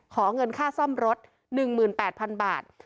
ขอเงินค่าซ่อมรถ๑๘๐๐๐บาท